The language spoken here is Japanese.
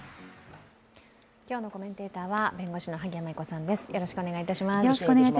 今日のコメンテーターは弁護士の萩谷麻衣子さんです。